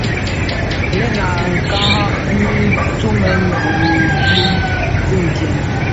Lèn a kirara nyi tumè gom i dhyu di nken.